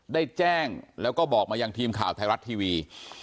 ได้แจ้งแล้วก็บอกมายังทีมข่าวไทยรัฐทีวี